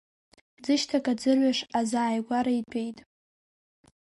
Ӡышьҭак, аӡырҩаш азааигәара, итәеит.